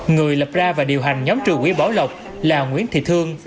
người lập ra và điều hành nhóm trừ quỹ bảo lộc là nguyễn thị thương